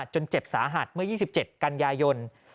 เจ็บสาหัสเมื่อ๒๗กันยายน